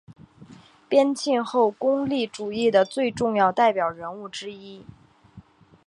边沁后功利主义的最重要代表人物之一。